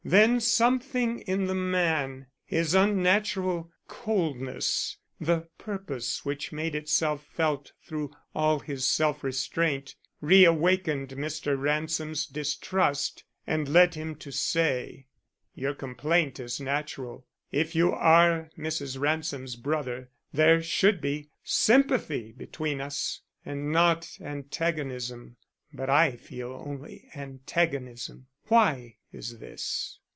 Then something in the man his unnatural coldness, the purpose which made itself felt through all his self restraint reawakened Mr. Ransom's distrust and led him to say: "Your complaint is natural. If you are Mrs. Ransom's brother, there should be sympathy between us and not antagonism. But I feel only antagonism. Why is this?"